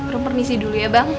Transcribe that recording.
rom permisi dulu ya bang